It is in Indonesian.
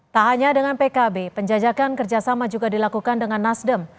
tak hanya dengan pkb penjajakan kerjasama juga dilakukan dengan nasdem